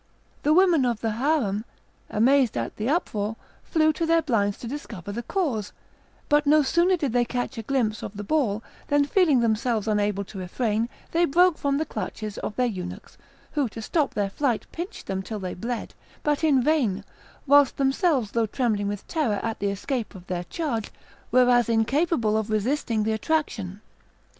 The women of the harem, amazed at the uproar, flew to their blinds to discover the cause; but no sooner did they catch a glimpse of the ball, than feeling themselves unable to refrain, they broke from the clutches of their eunuchs, who to stop their flight pinched them till they bled, but in vain; whilst themselves, though trembling with terror at the escape of their charge, were as incapable of resisting the attraction.